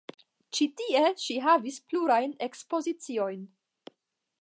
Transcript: Ĉi tie ŝi havis plurajn ekspoziciojn.